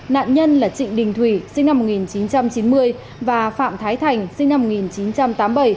nạn nhân là trịnh đình thủy sinh năm một nghìn chín trăm chín mươi và phạm thái thành sinh năm một nghìn chín trăm tám mươi bảy